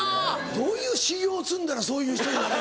どういう修業を積んだらそういう人になれる？